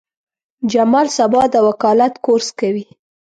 جمال سبا د وکالت کورس کوي.